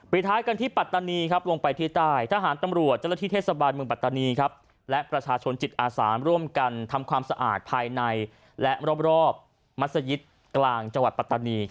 ท้ายกันที่ปัตตานีลงไปที่ใต้ทหารตำรวจเจ้าหน้าที่เทศบาลเมืองปัตตานีและประชาชนจิตอาสารร่วมกันทำความสะอาดภายในและรอบมัศยิตกลางจังหวัดปัตตานี